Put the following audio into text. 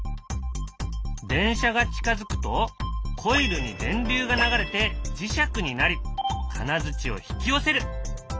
電車が近づくとコイルに電流が流れて磁石になり金づちを引き寄せる。